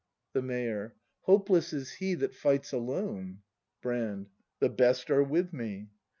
The Mayor. Hopeless is he that fights alone. Brand. The best are with me.